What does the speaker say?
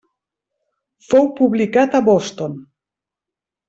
Fou publicat a Boston.